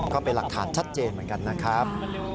ก็เป็นหลักฐานชัดเจนเหมือนกันนะครับ